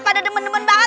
pada demen demen banget